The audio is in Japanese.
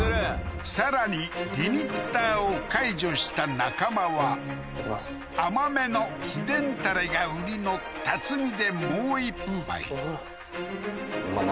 さらにリミッターを解除した中間は甘めの秘伝タレが売りの多津美でもう一杯まあ